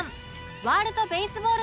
ワールドベースボール